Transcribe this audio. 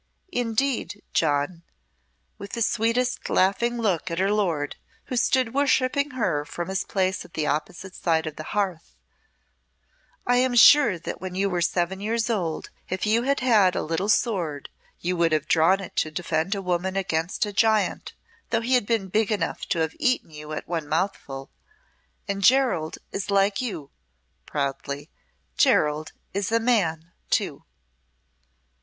Indeed, John" with the sweetest laughing look at her lord, who stood worshipping her from his place at the opposite side of the hearth "I am sure that when you were seven years old, if you had had a little sword, you would have drawn it to defend a woman against a giant, though he had been big enough to have eaten you at one mouthful and Gerald is like you," proudly. "Gerald is a Man, too."